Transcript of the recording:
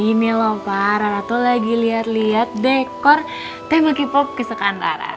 ini lho papa rara tuh lagi liat liat dekor temen kipop kisahkan rara